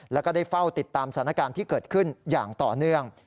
แล้วก็ได้เฝ้าติดตามสถานการณ์ที่เกิดขึ้นอย่างต่อเนื่อง